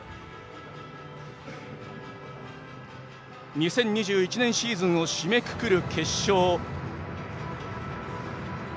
２０２１年シーズンを締めくくる決勝。